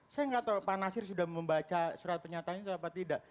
saya enggak tahu pak nasir sudah membaca surat pernyataannya atau tidak